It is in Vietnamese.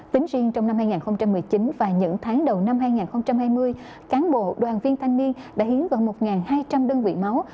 tính riêng trong năm hai nghìn một mươi chín và những tháng đầu năm hai nghìn hai mươi cán bộ đoàn viên thanh niên đã hiến gần một hai trăm linh đơn vị máu